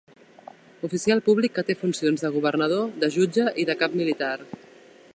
Oficial públic que té funcions de governador, de jutge i de cap militar.